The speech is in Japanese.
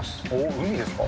海ですか。